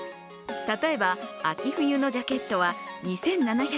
例えば、秋冬のジャケットは２７４０円。